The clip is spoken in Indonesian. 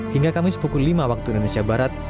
hingga kamis pukul lima waktu indonesia barat